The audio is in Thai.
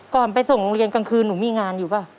ไปส่งโรงเรียนกลางคืนหนูมีงานอยู่ป่ะ